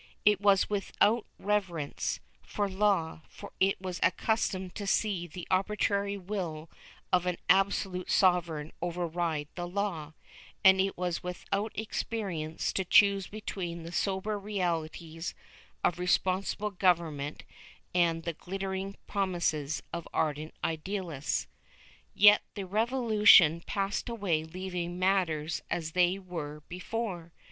It was without reverence for law, for it was accustomed to see the arbitrary will of an absolute sovereign override the law, and it was without experience to choose between the sober realities of responsible government and the glittering promises of ardent idealists. Yet the Revolution passed away leaving matters as they were before.